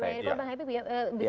bisa dilakukan pak habib ya